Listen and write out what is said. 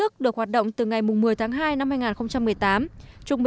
có một người ch